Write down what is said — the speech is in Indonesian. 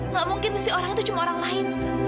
nggak mungkin si orang itu cuma orang lain